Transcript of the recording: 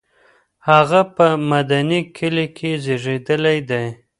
هغه په مندني کلي کې زېږېدلې ده.